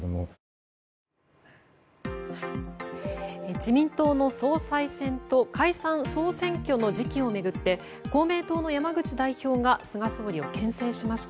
自民党の総裁選と解散・総選挙の時期をめぐって公明党の山口代表が菅総理を牽制しました。